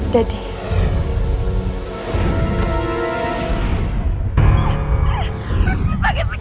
dan di tempat yang tidak ada daging